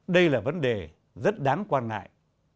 đây là vấn đề rất đáng quan ngại